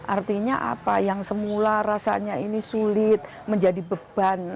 artinya apa yang semula rasanya ini sulit menjadi beban